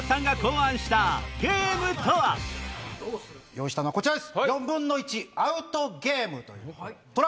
用意したのはこちらです！